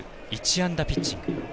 １安打ピッチング。